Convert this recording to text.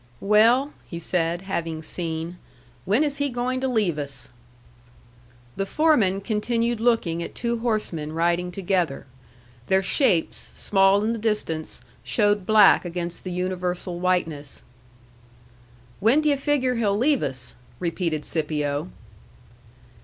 "Well," he said, having seen, "when is he going to leave us?" The foreman continued looking at two horsemen riding together. Their shapes, small in the distance, showed black against the universal whiteness. "When d' yu' figure he'll leave us?" repeated Scipio.